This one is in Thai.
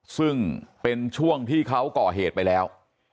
ซึ่งเป็นช่วงที่เขาก่อเหตุไปแล้ว